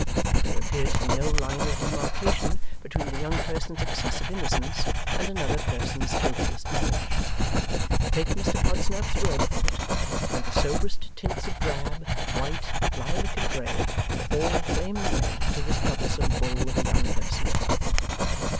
There appeared to be no line of demarcation between the young person's excessive innocence, and another person's guiltiest knowledge. Take Mr Podsnap's word for it, and the soberest tints of drab, white, lilac, and grey, were all flaming red to this troublesome Bull of a young person.